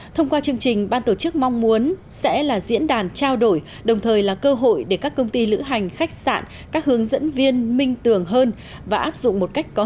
thông qua chương trình ban tổ chức mong muốn sẽ là diễn đàn trao đổi đồng thời là cơ hội để các công ty lữ hành khách sạn các hướng dẫn viên minh tưởng hơn và áp dụng một cách có